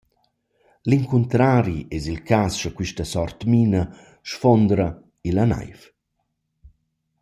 L’incuntrari es il cas scha quista sort mina sfuondra illa naiv.